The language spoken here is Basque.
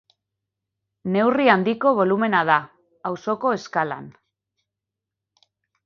Neurri handiko bolumena da, auzoko eskalan.